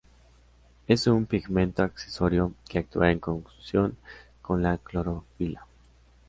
Es un pigmento accesorio que actúa en conjunción con la clorofila.